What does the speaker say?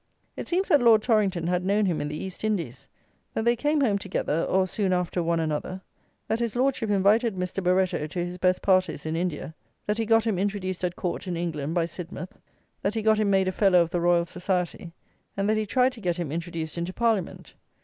It seems that Lord Torrington had known him in the East Indies; that they came home together, or soon after one another; that his Lordship invited Mr. Barretto to his best parties in India; that he got him introduced at Court in England by Sidmouth; that he got him made a Fellow of the Royal Society; and that he tried to get him introduced into Parliament.